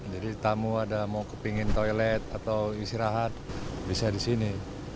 jadi tamu ada mau kepingin toilet atau istirahat bisa di sini